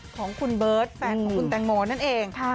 ของคุณเบิร์ตแฟนของคุณแตงโมนั่นเอง